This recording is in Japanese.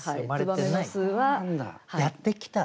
あのやって来た。